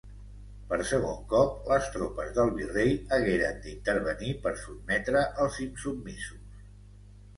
Per segon cop, les tropes del virrei hagueren d'intervenir per sotmetre als insubmisos.